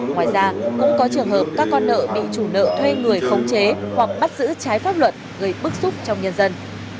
ngoài ra cũng có trường hợp các con nợ bị chủ nợ thuê người khống chế hoặc bắt giữ trái pháp luật gây bức xúc trong nhân dân